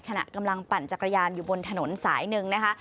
ขณะกำลังปั่นจักรยานอยู่บนถนนสายหนึ่งนะคะ